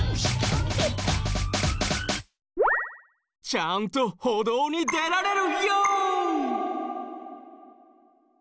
ちゃんと歩道に出られるよ！